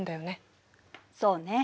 そうね。